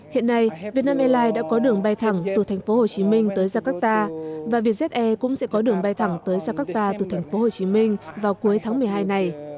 hiện nay vietnam airlines đã có đường bay thẳng từ thành phố hồ chí minh tới jakarta và vietjet air cũng sẽ có đường bay thẳng tới jakarta từ thành phố hồ chí minh vào cuối tháng một mươi hai này